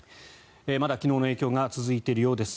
まだ昨日の影響が続いているようです。